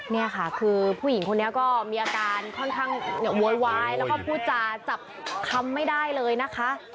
นี่ค่ะคือผู้หญิงคนนี้ก็มีอาการค่อนข้างโวยวายแล้วก็พูดจาจับคำไม่ได้เลยนะคะ